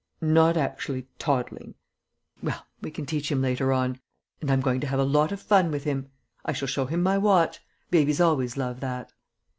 Not actually toddling." "Well, we can teach him later on. And I'm going to have a lot of fun with him. I shall show him my watch babies always love that."